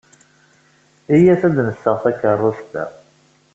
Iyyat ad d-nseɣ takeṛṛust-a.